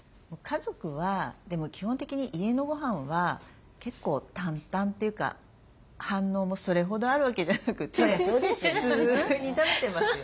家族はでも基本的に家のごはんは結構淡々っていうか反応もそれほどあるわけじゃなくて普通に食べてますよね。